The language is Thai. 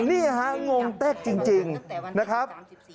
นี่ฮะงงเต็กจริงนะครับ